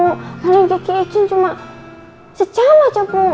kalian ghi izin cuma sejam aja pu